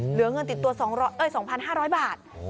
เหลือเงินติดตัว๒๕๐๐บาท